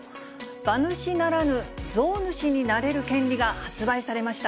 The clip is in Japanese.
馬主ならぬ象主になれる権利が発売されました。